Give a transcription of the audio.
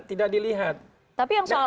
tidak dilihat tapi yang